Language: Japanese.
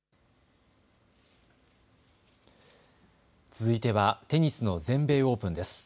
続いてはテニスの全米オープンです。